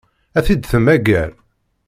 Ad t-id-temmager?